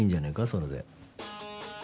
それで。